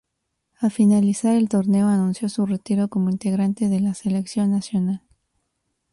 Al finalizar el torneo, anunció su retiro como integrante de la selección nacional.